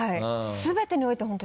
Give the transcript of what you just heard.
全てにおいて本当